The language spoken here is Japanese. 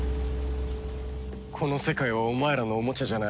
この世界はお前らのおもちゃじゃない。